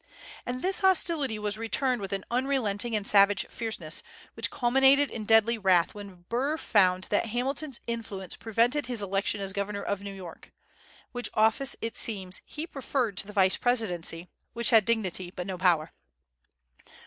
And this hostility was returned with an unrelenting and savage fierceness, which culminated in deadly wrath when Burr found that Hamilton's influence prevented his election as Governor of New York, which office, it seems, he preferred to the Vice presidency, which had dignity but no power.